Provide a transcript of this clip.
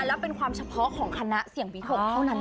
แล้วเป็นความเฉพาะของคณะเสี่ยงวิถกเท่านั้นเอง